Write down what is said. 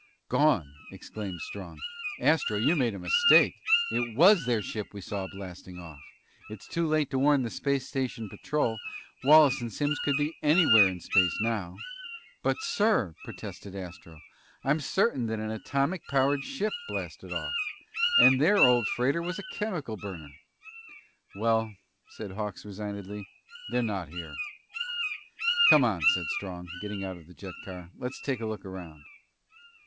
"Gone!" exclaimed Strong. "Astro, you made a mistake! It was their ship we saw blasting off. It's too late to warn the space station patrol. Wallace and Simms could be anywhere in space now!" "But, sir," protested Astro, "I'm certain that an atomic powered ship blasted off. And their old freighter was a chemical burner!" "Well," said Hawks resignedly, "they're not here." "Come on," said Strong, getting out of the jet car. "Let's take a look around."